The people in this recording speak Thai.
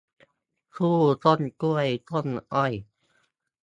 คู่ต้นกล้วยต้นอ้อย